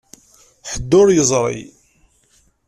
Ḥedd ur yeẓri.